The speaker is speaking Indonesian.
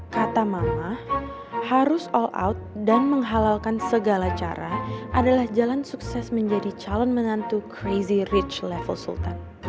kata mama harus all out dan menghalalkan segala cara adalah jalan sukses menjadi calon menantu crazy rich level sultan